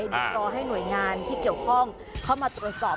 เดี๋ยวรอให้หน่วยงานที่เกี่ยวข้องเข้ามาตรวจสอบ